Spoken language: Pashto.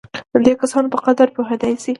د دې کسانو په قدر پوهېدای شي.